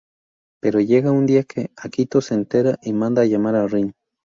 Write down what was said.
Pero llega un día que Akito se entera y manda llamar a Rin.